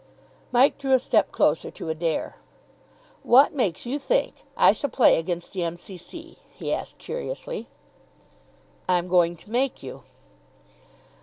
Mike drew a step closer to Adair. "What makes you think I shall play against the M.C.C.?" he asked curiously. "I'm going to make you."